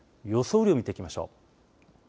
雨量、見ていきましょう。